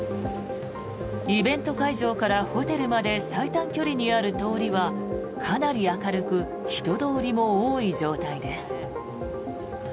イベント会場からホテルまで最短距離にある通りはかなり明るく人通りも多い状態です。